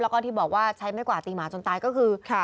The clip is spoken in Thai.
แล้วก็ที่บอกว่าใช้ไม่กว่าตีหมาจนตายก็คือ